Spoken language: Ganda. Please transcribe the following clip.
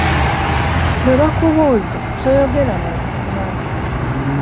Bwe bakubuuza toyogera mazima.